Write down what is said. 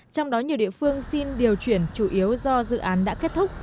trong đó nhiều địa phương xin điều chuyển chủ yếu do dự án đã kết thúc